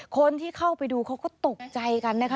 คนที่เข้าไปดูเขาก็ตกใจกันนะคะ